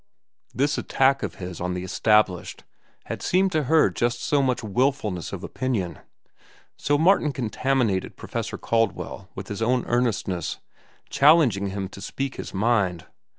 This attack of his on the established had seemed to her just so much wilfulness of opinion. So Martin contaminated Professor Caldwell with his own earnestness, challenging him to speak his mind.